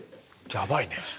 やばいね。